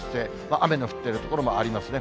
雨の降っている所もありますね。